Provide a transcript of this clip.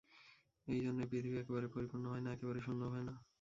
এই জন্যই পৃথিবী একেবারে পরিপূর্ণ হয় না, একেবারে শূন্যও হয় না।